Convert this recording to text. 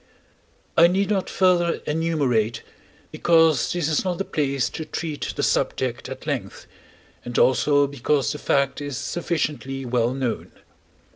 I need not further enumerate, because this is not the place to treat the subject at length, and also because the fact is sufficiently well known.